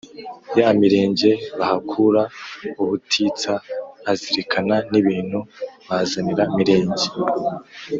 ya Mirenge bahakura ubutitsa; azirikana n’ibintu bazanira Mirenge